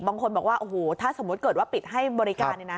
บางคนบอกว่าถ้าสมมติเกิดว่าปิดให้บริการ